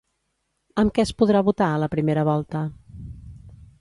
Amb què es podrà votar a la primera volta?